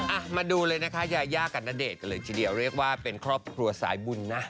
อ่ะมาดูเลยนะคะยายากับณเดชน์กันเลยทีเดียวเรียกว่าเป็นครอบครัวสายบุญนะ